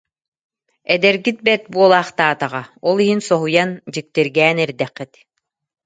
«Эдэргит бэрт буолаахтаатаҕа, ол иһин соһуйан, дьиктиргээн эрдэххит